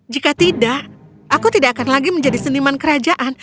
jika tidak aku tidak akan lagi menjadi seniman kerajaan